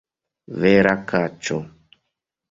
Vera kaĉo!